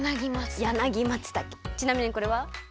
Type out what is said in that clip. ちなみにこれは？